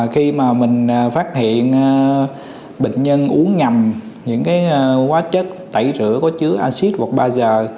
khi mà mình phát hiện bệnh nhân uống nhầm những cái hóa chất tẩy rửa có chứa acid hoặc ba giờ